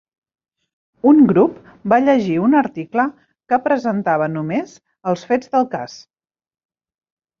Un grup va llegir un article que presentava només els fets del cas.